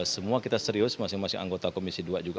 semua kita serius masing masing anggota komisi dua juga